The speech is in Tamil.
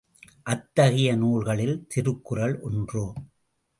அத்தகைய நூல்களில் திருக்குறள் ஒன்று.